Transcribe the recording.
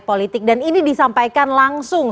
politik dan ini disampaikan langsung